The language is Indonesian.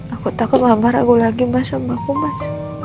aku takut mama ragu lagi sama aku mas